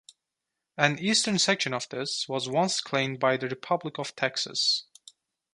An eastern section of this was once claimed by the Republic of Texas.